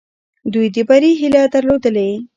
دوی د بري هیله درلودلې.